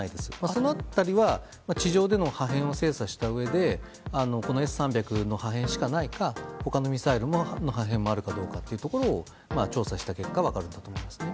その辺りは地上での破片を精査したうえでＳ３００の破片しかないか他のミサイルの破片もあるかどうかを調査した結果分かると思いますね。